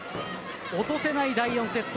落とせない第４セット。